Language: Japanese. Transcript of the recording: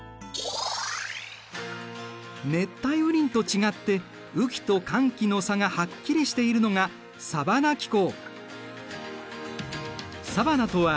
熱帯雨林と違って雨季と乾季の差がはっきりしているのがサバナ気候。